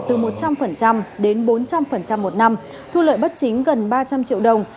từ một trăm linh đến bốn trăm linh một năm thu lợi bất chính gần ba trăm linh triệu đồng